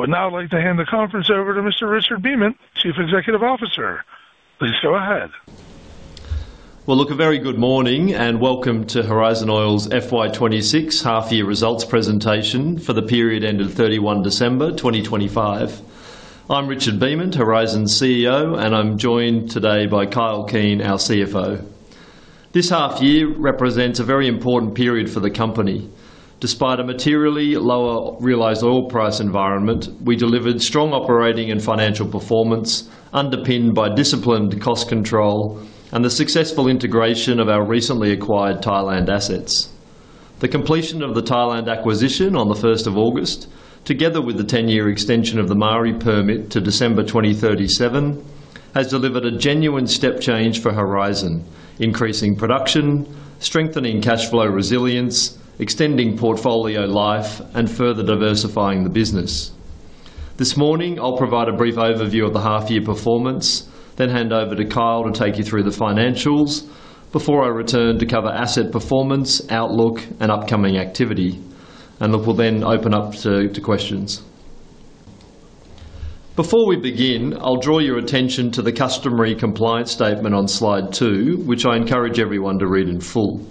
I wo uld now like to hand the conference over to Mr. Richard Beament, Chief Executive Officer. Please go ahead. Well, look, a very good morning, and welcome to Horizon Oil's FY 26 half-year results presentation for the period ending 31 December 2025. I'm Richard Beament, Horizon's CEO, and I'm joined today by Kyle Keen, our CFO. This half year represents a very important period for the company. Despite a materially lower realized oil price environment, we delivered strong operating and financial performance, underpinned by disciplined cost control and the successful integration of our recently acquired Thailand assets. The completion of the Thailand acquisition on the 1st of August, together with the 10-year extension of the Maari permit to December 2037, has delivered a genuine step change for Horizon, increasing production, strengthening cash flow resilience, extending portfolio life, and further diversifying the business. This morning, I'll provide a brief overview of the half year performance, then hand over to Kyle to take you through the financials before I return to cover asset performance, outlook, and upcoming activity. Look, we'll then open up to questions. Before we begin, I'll draw your attention to the customary compliance statement on slide 2, which I encourage everyone to read in full.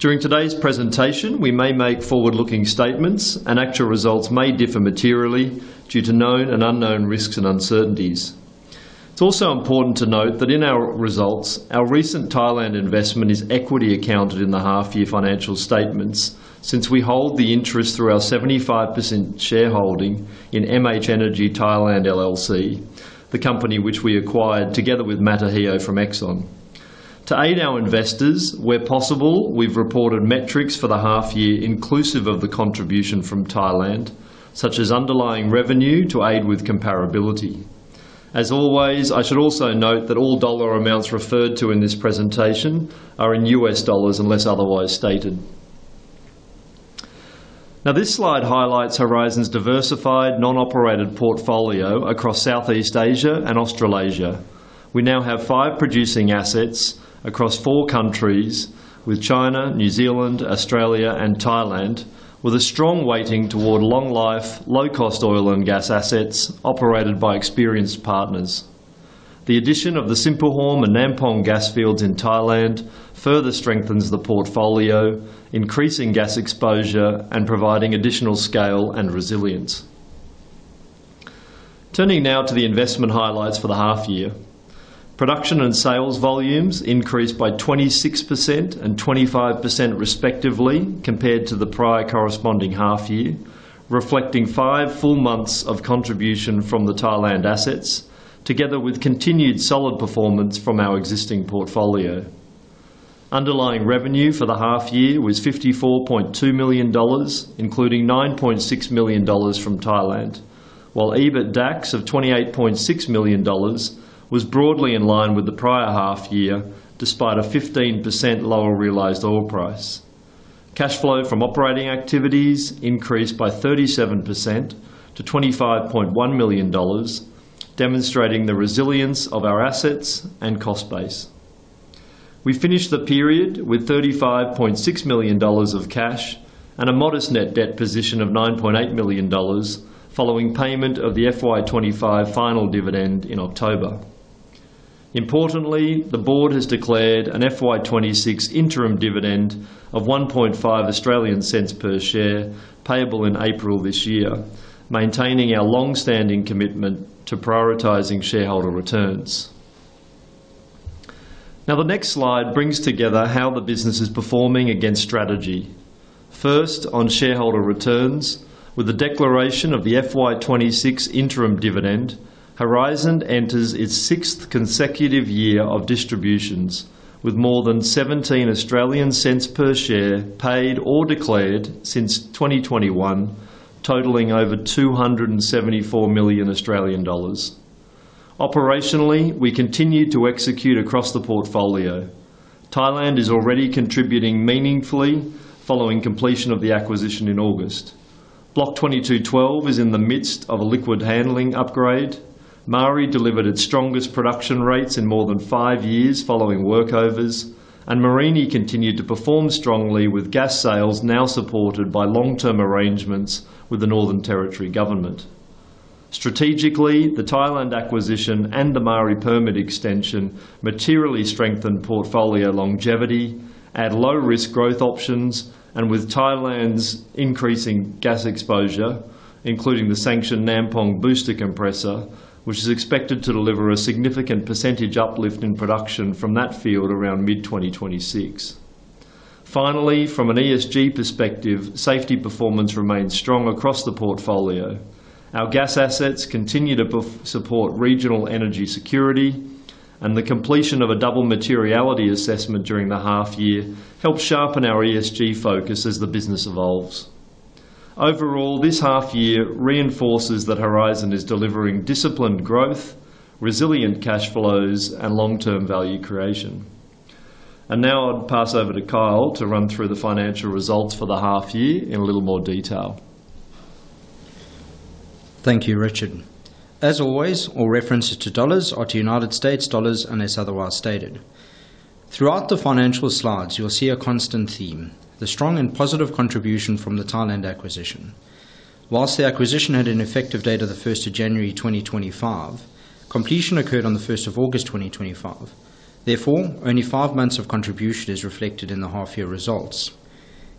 During today's presentation, we may make forward-looking statements, and actual results may differ materially due to known and unknown risks and uncertainties. It's also important to note that in our results, our recent Thailand investment is equity accounted in the half year financial statements. Since we hold the interest through our 75% shareholding in MH Energy Thailand LLC, the company which we acquired together with Matahio from Exxon. To aid our investors, where possible, we've reported metrics for the half year inclusive of the contribution from Thailand, such as underlying revenue, to aid with comparability. As always, I should also note that all dollar amounts referred to in this presentation are in U.S. dollars, unless otherwise stated. This slide highlights Horizon's diversified non-operated portfolio across Southeast Asia and Australasia. We now have five producing assets across four countries, with China, New Zealand, Australia, and Thailand, with a strong weighting toward long-life, low-cost oil and gas assets operated by experienced partners. The addition of the Sinphuhorm and Nam Phong gas fields in Thailand further strengthens the portfolio, increasing gas exposure and providing additional scale and resilience. Turning now to the investment highlights for the half year. Production and sales volumes increased by 26% and 25%, respectively, compared to the prior corresponding half year, reflecting 5 full months of contribution from the Thailand assets, together with continued solid performance from our existing portfolio. Underlying revenue for the half year was $54.2 million, including $9.6 million from Thailand, while EBITDAX of $28.6 million was broadly in line with the prior half year, despite a 15% lower realized oil price. Cash flow from operating activities increased by 37% to $25.1 million, demonstrating the resilience of our assets and cost base. We finished the period with $35.6 million of cash and a modest net debt position of $9.8 million, following payment of the FY 2025 final dividend in October. Importantly, the board has declared an FY 2026 interim dividend of 0.015 per share, payable in April this year, maintaining our long-standing commitment to prioritizing shareholder returns. The next slide brings together how the business is performing against strategy. First, on shareholder returns. With the declaration of the FY 2026 interim dividend, Horizon enters its sixth consecutive year of distributions, with more than 0.17 per share paid or declared since 2021, totaling over 274 million Australian dollars. Operationally, we continued to execute across the portfolio. Thailand is already contributing meaningfully following completion of the acquisition in August. Block 22/12 is in the midst of a liquid handling upgrade. Maari delivered its strongest production rates in more than five years following workovers, and Mereenie continued to perform strongly, with gas sales now supported by long-term arrangements with the Northern Territory government. Strategically, the Thailand acquisition and the Maari permit extension materially strengthened portfolio longevity at low-risk growth options, and with Thailand's increasing gas exposure, including the sanctioned Nam Phong booster compressor, which is expected to deliver a significant % uplift in production from that field around mid-2026. Finally, from an ESG perspective, safety performance remains strong across the portfolio. Our gas assets continue to support regional energy security, and the completion of a double materiality assessment during the half year helped sharpen our ESG focus as the business evolves. Overall, this half year reinforces that Horizon is delivering disciplined growth, resilient cash flows, and long-term value creation. Now I'll pass over to Kyle to run through the financial results for the half year in a little more detail. Thank you, Richard. As always, all references to dollars are to United States dollars, unless otherwise stated. Throughout the financial slides, you will see a constant theme: the strong and positive contribution from the Thailand acquisition. Whilst the acquisition had an effective date of the first of January 2025, completion occurred on the 1st of August 2025, therefore, only five months of contribution is reflected in the half year results.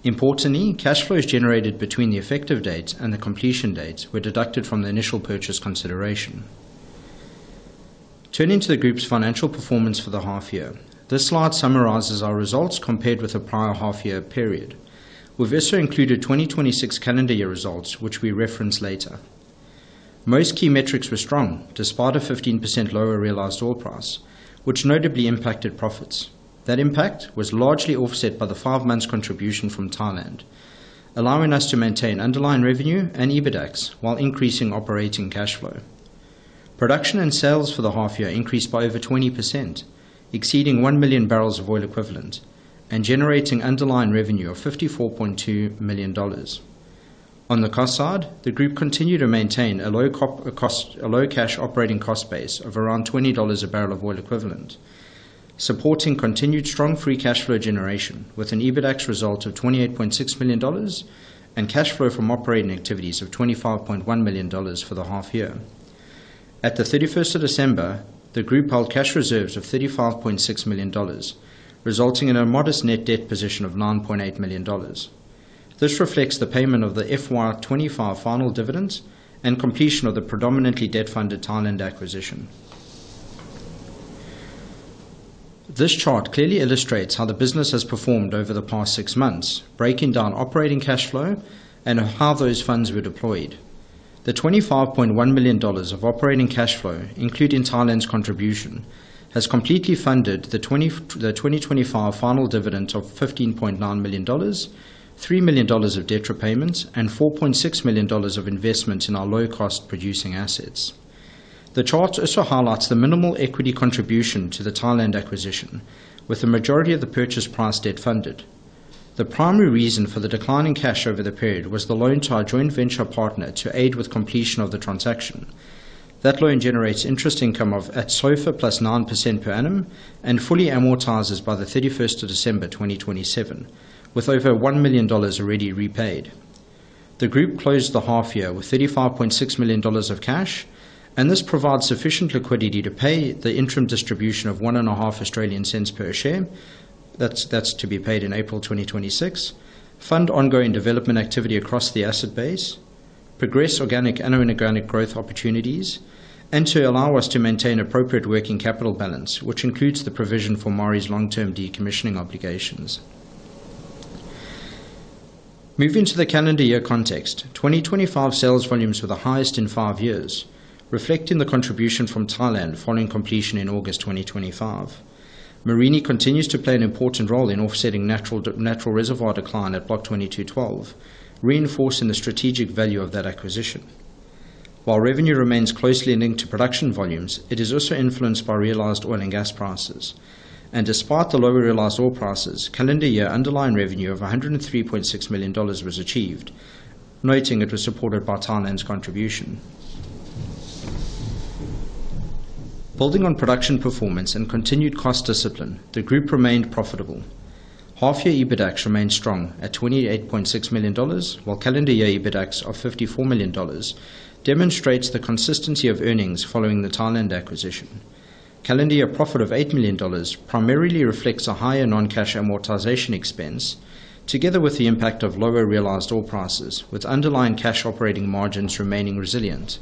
Importantly, cash flows generated between the effective dates and the completion dates were deducted from the initial purchase consideration. Turning to the group's financial performance for the half year, this slide summarizes our results compared with the prior half year period. We've also included 2026 calendar year results, which we reference later. Most key metrics were strong, despite a 15% lower realized oil price, which notably impacted profits. That impact was largely offset by the 5 months contribution from Thailand, allowing us to maintain underlying revenue and EBITDAX, while increasing operating cash flow. Production and sales for the half year increased by over 20%, exceeding 1 million barrels of oil equivalent, and generating underlying revenue of $54.2 million. On the cost side, the group continued to maintain a low cash operating cost base of around $20 a barrel of oil equivalent, supporting continued strong free cash flow generation with an EBITDAX result of $28.6 million and cash flow from operating activities of $25.1 million for the half year. At the 31st of December, the group held cash reserves of $35.6 million, resulting in a modest net debt position of $9.8 million. This reflects the payment of the FY 2025 final dividends and completion of the predominantly debt-funded Thailand acquisition. This chart clearly illustrates how the business has performed over the past 6 months, breaking down operating cash flow and how those funds were deployed. The $25.1 million of operating cash flow, including Thailand's contribution, has completely funded the 2025 final dividend of $15.9 million, $3 million of debt repayments, and $4.6 million of investments in our low-cost producing assets. The chart also highlights the minimal equity contribution to the Thailand acquisition, with the majority of the purchase price debt-funded. The primary reason for the decline in cash over the period was the loan to our joint venture partner to aid with completion of the transaction. That loan generates interest income of at SOFR + 9% per annum and fully amortizes by the 31st of December 2027, with over $1 million already repaid. The group closed the half year with $35.6 million of cash, this provides sufficient liquidity to pay the interim distribution of 0.015 per share. That's to be paid in April 2026. Fund ongoing development activity across the asset base, progress organic and inorganic growth opportunities, and to allow us to maintain appropriate working capital balance, which includes the provision for Maari's long-term decommissioning obligations. Moving to the calendar year context, 2025 sales volumes were the highest in five years, reflecting the contribution from Thailand following completion in August 2025. Mereenie continues to play an important role in offsetting natural reservoir decline at Block 22/12, reinforcing the strategic value of that acquisition. While revenue remains closely linked to production volumes, it is also influenced by realized oil and gas prices, and despite the lower realized oil prices, calendar year underlying revenue of $103.6 million was achieved, noting it was supported by Thailand's contribution. Building on production performance and continued cost discipline, the group remained profitable. Half year EBITDAX remains strong at $28.6 million, while calendar year EBITDAX of $54 million demonstrates the consistency of earnings following the Thailand acquisition. Calendar year profit of $8 million primarily reflects a higher non-cash amortization expense, together with the impact of lower realized oil prices, with underlying cash operating margins remaining resilient.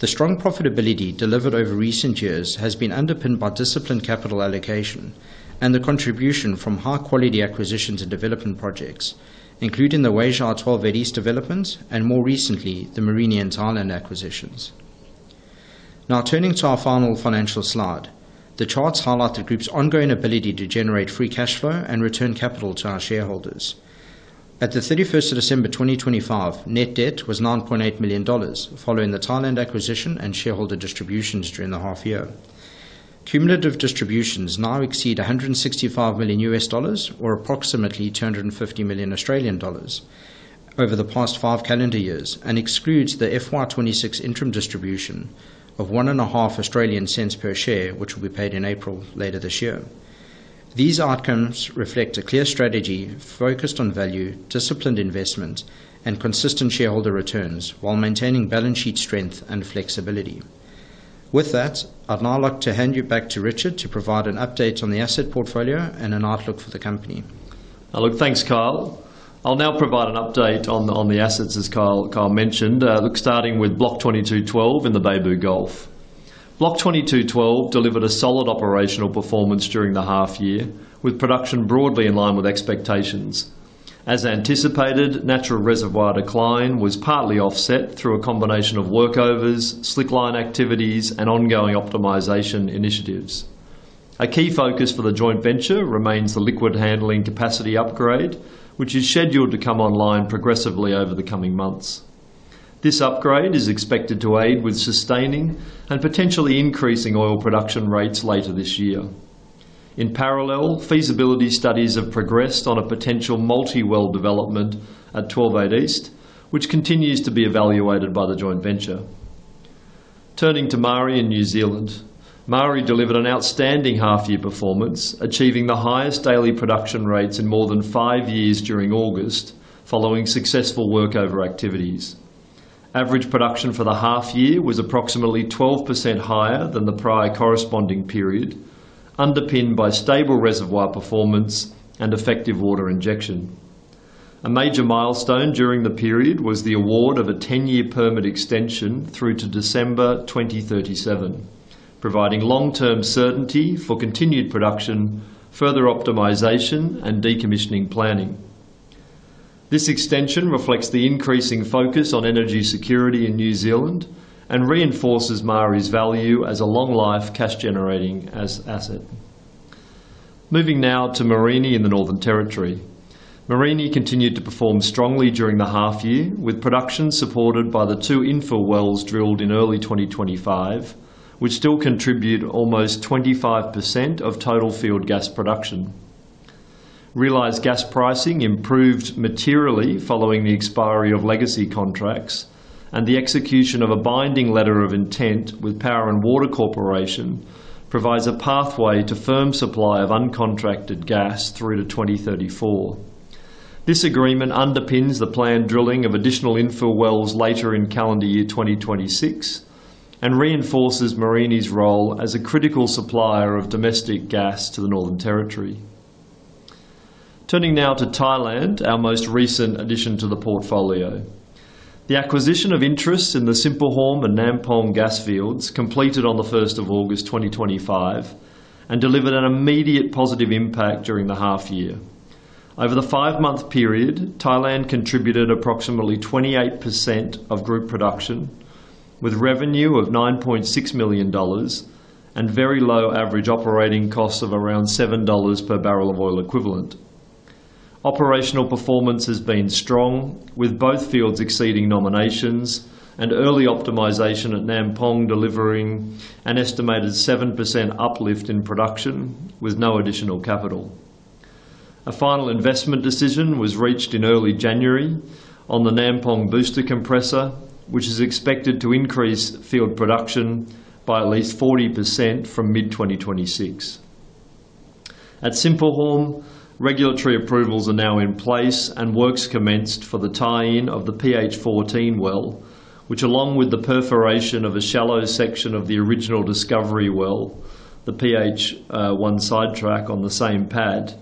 The strong profitability delivered over recent years has been underpinned by disciplined capital allocation and the contribution from high-quality acquisitions and development projects, including the Weizhou 12-8 East development and, more recently, the Mereenie and Thailand acquisitions. Turning to our final financial slide. The charts highlight the group's ongoing ability to generate free cash flow and return capital to our shareholders. At the 31st of December 2025, net debt was $9.8 million, following the Thailand acquisition and shareholder distributions during the half year. Cumulative distributions now exceed $165 million U.S. dollars, or approximately 250 million Australian dollars over the past 5 calendar years, excludes the FY 2026 interim distribution of 0.015 per share, which will be paid in April later this year. These outcomes reflect a clear strategy focused on value, disciplined investment, and consistent shareholder returns while maintaining balance sheet strength and flexibility. With that, I'd now like to hand you back to Richard to provide an update on the asset portfolio and an outlook for the company. Look, thanks, Kyle. I'll now provide an update on the assets, as Kyle mentioned. Look, starting with Block 22/12 in the Beibu Gulf. Block 22/12 delivered a solid operational performance during the half year, with production broadly in line with expectations. As anticipated, natural reservoir decline was partly offset through a combination of workovers, slickline activities, and ongoing optimization initiatives. A key focus for the joint venture remains the liquid handling capacity upgrade, which is scheduled to come online progressively over the coming months. This upgrade is expected to aid with sustaining and potentially increasing oil production rates later this year. Feasibility studies have progressed on a potential multi-well development at WZ12-8 East, which continues to be evaluated by the joint venture. Turning to Maari in New Zealand. Maari delivered an outstanding half-year performance, achieving the highest daily production rates in more than five years during August, following successful workover activities. Average production for the half year was approximately 12% higher than the prior corresponding period, underpinned by stable reservoir performance and effective water injection. A major milestone during the period was the award of a 10-year permit extension through to December 2037, providing long-term certainty for continued production, further optimization, and decommissioning planning. This extension reflects the increasing focus on energy security in New Zealand and reinforces Maari's value as a long-life cash-generating asset. Moving now to Mereenie in the Northern Territory. Mereenie continued to perform strongly during the half year, with production supported by the two infill wells drilled in early 2025, which still contribute almost 25% of total field gas production. Realized gas pricing improved materially following the expiry of legacy contracts. The execution of a binding letter of intent with Power and Water Corporation provides a pathway to firm supply of uncontracted gas through to 2034. This agreement underpins the planned drilling of additional infill wells later in calendar year 2026 and reinforces Mereenie's role as a critical supplier of domestic gas to the Northern Territory. Turning now to Thailand, our most recent addition to the portfolio. The acquisition of interests in the Sinphuhorm and Nam Phong gas fields completed on the 1st of August 2025 and delivered an immediate positive impact during the half year. Over the five-month period, Thailand contributed approximately 28% of group production, with revenue of $9.6 million and very low average operating costs of around $7 per barrel of oil equivalent. Operational performance has been strong, with both fields exceeding nominations and early optimization at Nam Phong delivering an estimated 7% uplift in production with no additional capital. A final investment decision was reached in early January on the Nam Phong booster compressor, which is expected to increase field production by at least 40% from mid-2026. At Sinphuhorm, regulatory approvals are now in place and works commenced for the tie-in of the PH14 well, which, along with the perforation of a shallow section of the original discovery well, the PH-1 sidetrack on the same pad.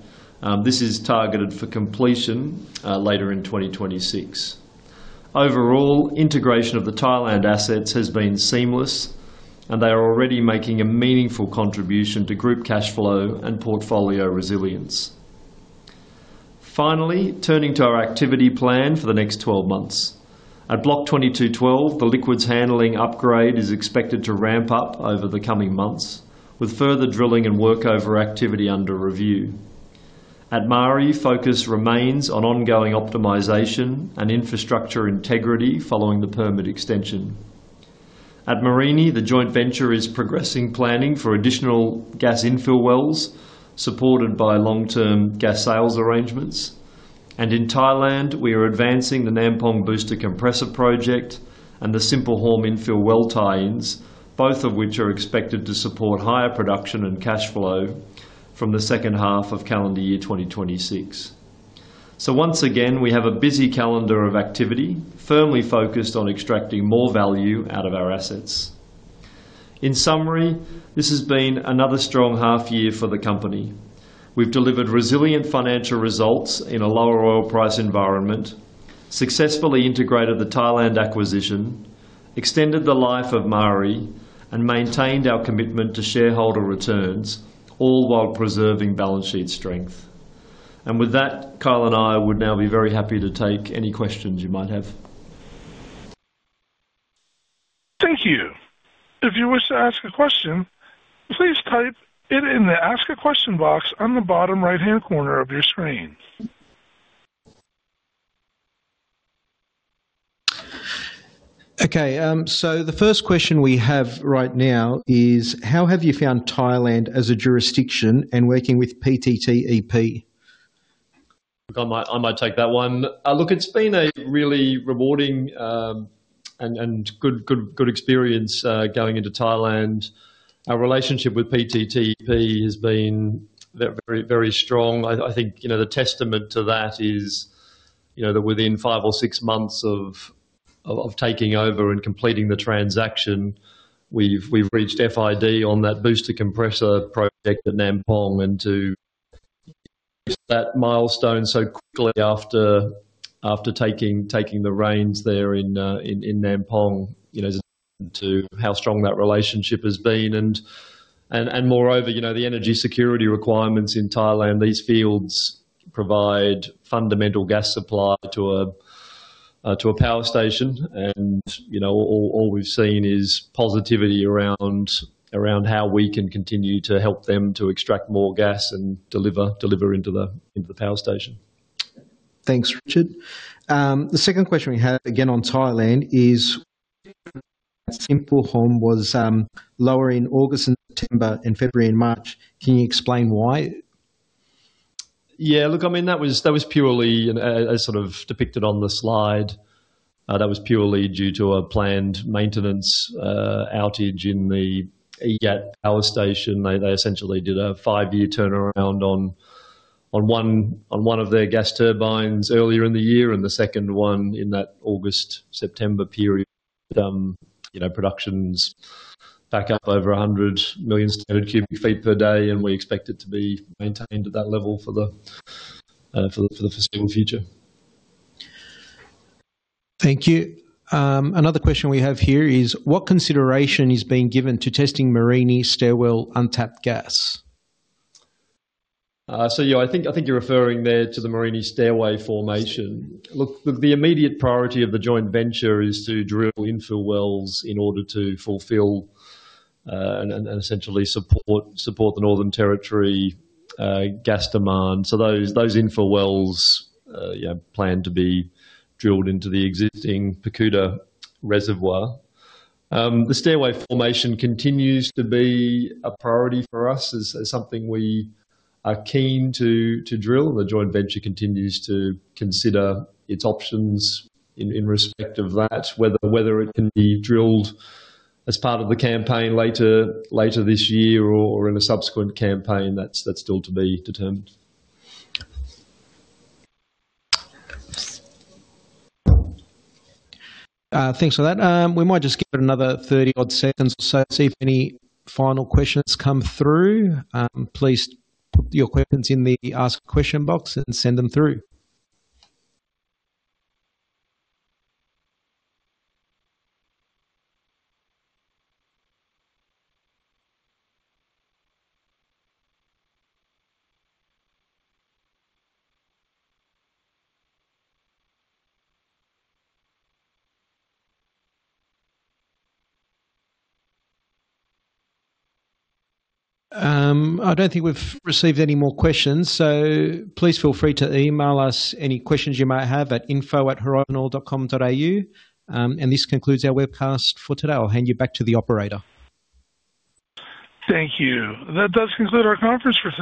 This is targeted for completion later in 2026. Overall, integration of the Thailand assets has been seamless, and they are already making a meaningful contribution to group cash flow and portfolio resilience. Finally, turning to our activity plan for the next 12 months. At Block 22/12, the liquids handling upgrade is expected to ramp up over the coming months, with further drilling and workover activity under review. At Maari, focus remains on ongoing optimization and infrastructure integrity following the permit extension. At Mereenie, the joint venture is progressing planning for additional gas infill wells, supported by long-term gas sales arrangements. In Thailand, we are advancing the Nam Phong booster compressor project and the Sinphuhorm infill well tie-ins, both of which are expected to support higher production and cash flow from the second half of calendar year 2026. Once again, we have a busy calendar of activity, firmly focused on extracting more value out of our assets. In summary, this has been another strong half year for the company. We've delivered resilient financial results in a lower oil price environment, successfully integrated the Thailand acquisition, extended the life of Maari, and maintained our commitment to shareholder returns, all while preserving balance sheet strength. With that, Kyle and I would now be very happy to take any questions you might have. Thank you. If you wish to ask a question, please type it in the Ask a Question box on the bottom right-hand corner of your screen. The first question we have right now is: How have you found Thailand as a jurisdiction and working with PTTEP? I might take that one. Look, it's been a really rewarding and good experience going into Thailand. Our relationship with PTTEP has been very strong. I think, you know, the testament to that is, you know, that within five or six months of taking over and completing the transaction, we've reached FID on that booster compressor project at Nam Phong, to reach that milestone so quickly after taking the reins there in Nam Phong, you know, as to how strong that relationship has been. Moreover, you know, the energy security requirements in Thailand, these fields provide fundamental gas supply to a power station. You know, all we've seen is positivity around how we can continue to help them to extract more gas and deliver into the power station. Thanks, Richard. The second question we have, again on Thailand, is Sinphuhorm was lower in August and September and February and March. Can you explain why? I mean, that was purely as sort of depicted on the slide. That was purely due to a planned maintenance outage in the EGAT Power Station. They essentially did a 5-year turnaround on one of their gas turbines earlier in the year, and the second one in that August-September period. You know, production's back up over 100 million standard cubic feet per day, and we expect it to be maintained at that level for the foreseeable future. Thank you. Another question we have here is: What consideration is being given to testing Mereenie Stairway untapped gas? Yeah, I think you're referring there to the Mereenie Stairway formation. The immediate priority of the joint venture is to drill infill wells in order to fulfill and essentially support the Northern Territory gas demand. Yeah, those infill wells plan to be drilled into the existing Pacoota Reservoir. The Stairway formation continues to be a priority for us, is something we are keen to drill. The joint venture continues to consider its options in respect of that. Whether it can be drilled as part of the campaign later this year or in a subsequent campaign, that's still to be determined. Thanks for that. We might just give it another 30-odd seconds or so to see if any final questions come through. Please put your questions in the Ask Question box and send them through. I don't think we've received any more questions, so please feel free to email us any questions you might have at info@horizonoil.com.au. This concludes our webcast for today. I'll hand you back to the operator. Thank you. That does conclude our conference for today.